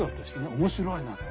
面白いなと。